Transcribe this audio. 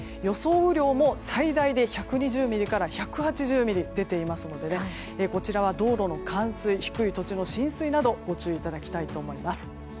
雨量も最大で１２０ミリから１８０ミリと出ていますからこちらは道路の冠水低い土地の浸水などご注意いただきたいと思います。